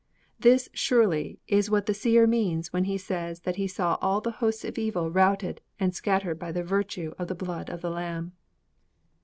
_' This, surely, is what the seer means when he says that he saw all the hosts of evil routed and scattered by the virtue of the blood of the Lamb.